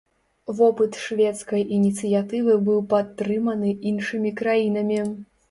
Вопыт шведскай ініцыятывы быў падтрыманы іншымі краінамі.